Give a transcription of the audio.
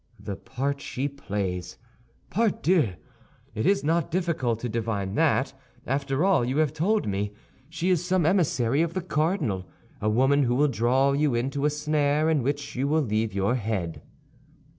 "The part she plays, pardieu! It is not difficult to divine that, after all you have told me. She is some emissary of the cardinal; a woman who will draw you into a snare in which you will leave your head."